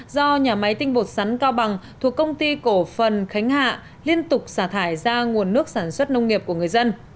do nhà máy tinh bột sắn cao bằng thuộc công ty cổ phần khánh hạ liên tục xả thải ra nguồn nước sản xuất nông nghiệp của người dân